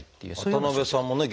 渡辺さんもね